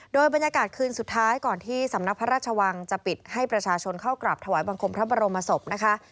โดยบรรยากาศคืนสุดท้ายก่อนที่สำนักพระราชวังจะปิดให้ประชาชนเข้ากราบถวายบังคมพระบรมศพนะคะ